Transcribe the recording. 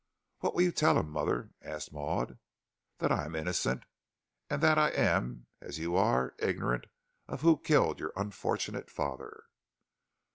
"What will you tell him, mother?" asked Maud. "That I am innocent, and that I am, as you are, ignorant of who killed your unfortunate father."